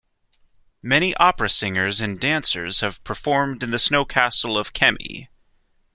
Many opera singers and dancers have performed in the SnowCastle of Kemi.